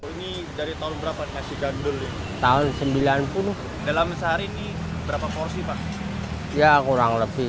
ini dari tahun berapa nasi gandul yang sudah datang ke sini